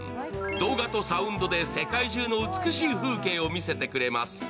動画とサウンドで世界中の美しい風景を見せてくれます。